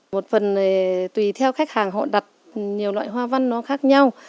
một phần này tùy theo khách hàng họ đặt nhiều loại hoa văn nó khác nhau